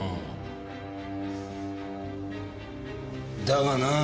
だがなぁ